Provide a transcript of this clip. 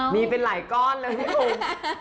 มีเป็นหลายก้อนแล้วให้ผม